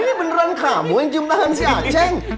ini beneran kamu yang jembatan si acing